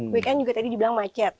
weekend juga tadi dibilang macet